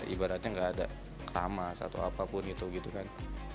ibaratnya nggak ada tamas atau apapun itu gitu kan